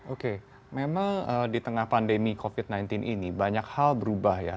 oke memang di tengah pandemi covid sembilan belas ini banyak hal berubah ya